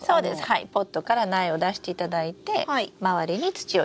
ポットから苗を出していただいて周りに土を入れればいいんです。